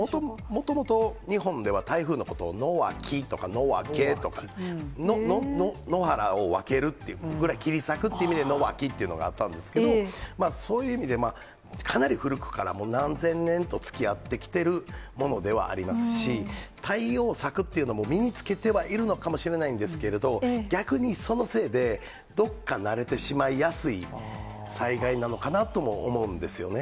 もともと、日本では台風のことをのわきとか、のわけとか、野原を分けるっていう、切り裂くっていう意味で、野分っていうのがあったんですけど、そういう意味で、かなり古くから、もう何千年とつきあってきてるものではありますし、対応策っていうのも身につけてはいるのかもしれないんですけれど、逆にそのせいで、どっか慣れてしまいやすい災害なのかなとも思うんですよね。